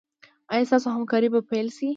ایا ستاسو همکاري به پیل شي؟